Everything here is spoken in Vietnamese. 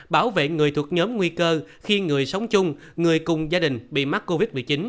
bảo vệ người thuộc nhóm nguy cơ khi người sống chung người cùng gia đình bị mắc covid một mươi chín